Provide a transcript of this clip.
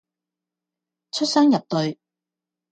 出雙入對